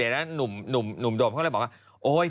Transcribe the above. แล้วหลังจากนั้นหนุ่มโดมเขาเลยบอก